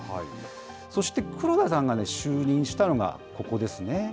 そして黒田さんが就任したのがここですね。